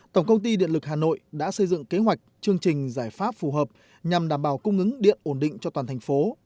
tổng công ty điện lực hà nội đã xây dựng kế hoạch chương trình giải pháp phù hợp nhằm đảm bảo cung ứng điện ổn định cho toàn thành phố